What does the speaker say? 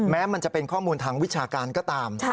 แม้มันจะเป็นข้อมูลทางวิชาการก็ตาม